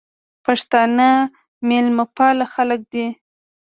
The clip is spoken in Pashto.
پښتانه مېلمپال خلک دي.